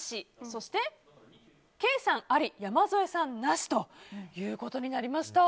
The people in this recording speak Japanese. そして、ケイさん、あり山添さん、なしということになりました。